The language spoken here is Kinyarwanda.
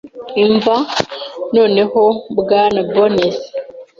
imva. Noneho, Bwana Bones -”